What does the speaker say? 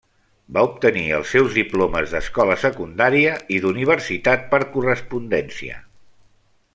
Va obtenir els seus diplomes d'escola secundària i d'universitat per correspondència.